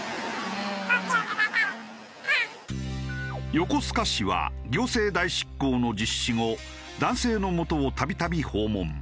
横須賀市は行政代執行の実施後男性のもとを度々訪問。